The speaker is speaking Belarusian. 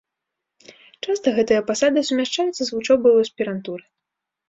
Часта гэтая пасада сумяшчаецца з вучобай у аспірантуры.